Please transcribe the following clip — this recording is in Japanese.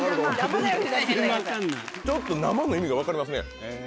ちょっと生の意味が分かりますね